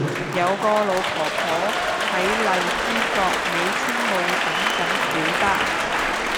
有個老婆婆喺荔枝角美青路等緊小巴